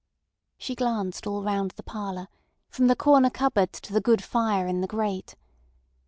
She glanced all round the parlour, from the corner cupboard to the good fire in the grate.